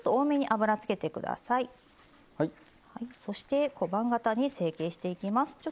そして小判形に成形していきます。